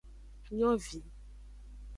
Nyovi.